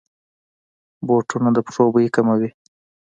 بوټونه د پښو بوی کموي.